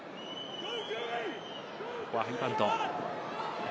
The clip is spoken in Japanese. ここはハイパント。